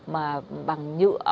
mà bằng nhựa